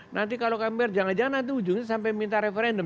nanti kalau kamber jangan jangan nanti ujungnya sampai minta referendum